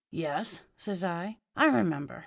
"'Yes,' says I, 'I remember.